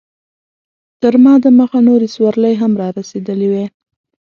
تر ما دمخه نورې سورلۍ هم رارسېدلې وې.